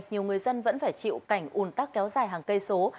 nhiều người dân vẫn phải chịu cảnh un tắc kéo dài hàng cây số